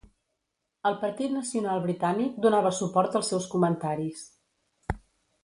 El Partit Nacional Britànic donava suport als seus comentaris.